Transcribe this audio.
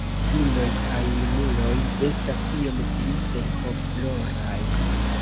Inoj kaj junuloj estas iom pli senkoloraj.